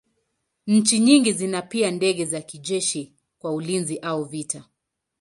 Nchi nyingi zina pia ndege za kijeshi kwa ulinzi au vita.